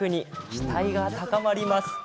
期待が高まります。